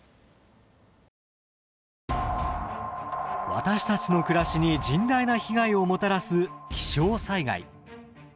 私たちの暮らしに甚大な被害をもたらす気象災害。